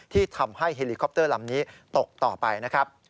ที่ทำให้กล่องบันทึกตกต่อไปนะครับ